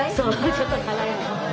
ちょっと辛いの。